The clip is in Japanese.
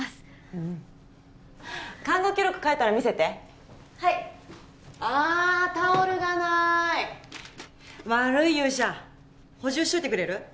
うん看護記録書いたら見せてはいあタオルがない悪い勇者補充しといてくれる？